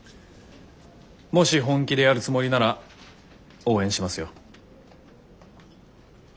もし本気でやるつもりなら応援しますよ。